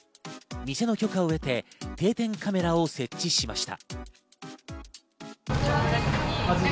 店の許可を得て、定点カメラを設置しました。